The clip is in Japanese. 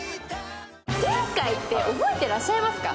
前回って覚えてらっしゃいますか？